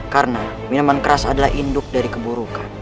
karena minuman keras adalah induk dari keburukan